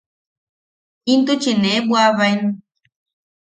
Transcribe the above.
Intuchi nee bwaʼabaen.